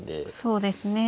そうですね。